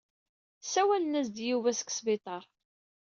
Ssawlen-as-d i Yuba seg sbiṭar.